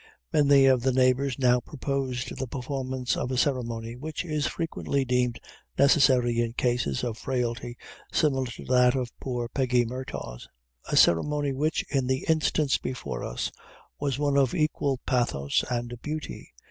Many of the neighbors now proposed the performance of a ceremony, which is frequently deemed necessary in cases of frailty similar to that of poor Peggy Murtagh: a ceremony which, in the instance before us, was one of equal pathos and beauty.